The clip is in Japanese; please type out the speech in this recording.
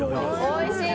おいしい！